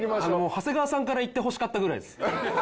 長谷川さんから言ってほしかったぐらいです。